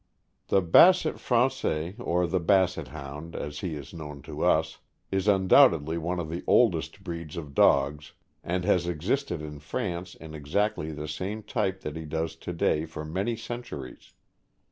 Basset Frangais, or the Basset Hound, as lie is known to us, is undoubtedly one of the oldest breeds of dogs, and has existed in France in exactly the same type that he does to day for many centuries.